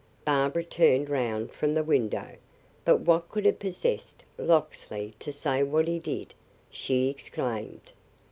Barbara turned round from the window, "But what could have possessed Locksley to say what he did?" she exclaimed.